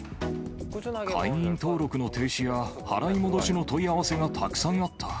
会員登録の停止や払い戻しの問い合わせがたくさんあった。